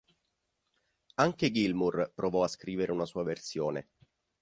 Anche Gilmour provò a scrivere una sua versione.